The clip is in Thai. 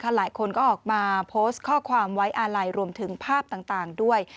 หลายคนก็ออกมาโพสต์ข้อความไว้อาลัยรวมถึงภาพต่างด้วย